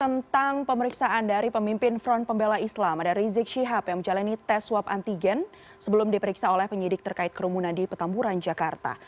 tentang pemeriksaan dari pemimpin front pembela islam ada rizik syihab yang menjalani tes swab antigen sebelum diperiksa oleh penyidik terkait kerumunan di petamburan jakarta